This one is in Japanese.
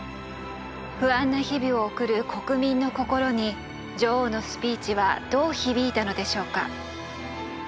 不安な日々を送る国民の心に女王のスピーチはどう響いたのでしょうか。